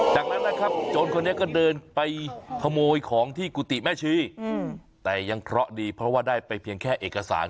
จากนั้นนะครับโจรคนนี้ก็เดินไปขโมยของที่กุฏิแม่ชีแต่ยังเคราะห์ดีเพราะว่าได้ไปเพียงแค่เอกสาร